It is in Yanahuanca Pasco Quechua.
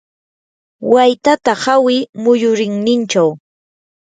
waytata hawi muyurinninchaw.